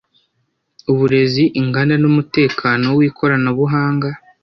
uburezi inganda n umutekano w ikoranabuhanga